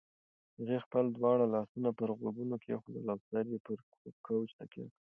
هغې خپل دواړه لاسونه پر غوږونو کېښودل او سر یې پر کوچ تکیه کړ.